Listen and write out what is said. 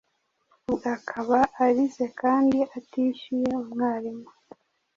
ubwo akaba arize kandi atishyuye umwarimu.